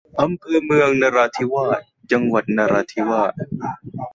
อำเภอเมืองนราธิวาส จังหวัดนราธิวาส